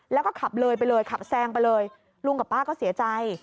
แล้วก็ขับเลยไปเลยขับแซงไปเลยลุงกับป้าก็เสียใจ